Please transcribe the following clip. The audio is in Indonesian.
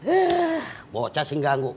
eh bocah sih nganggu